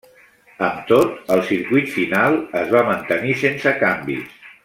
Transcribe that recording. Amb tot, el circuit final es va mantenir sense canvis.